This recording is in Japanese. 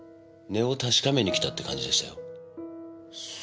値を確かめに来たって感じでしたよ。